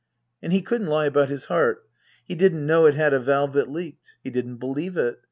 And he couldn't lie about his heart, he didn't know it had a valve that leaked. He didn't believe it.